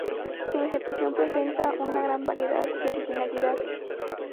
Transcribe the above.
Su vegetación presenta una gran variedad y originalidad.